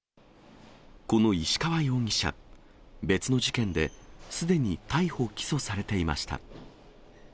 この石川容疑者、別の事件で、すでに逮捕・起訴されていました。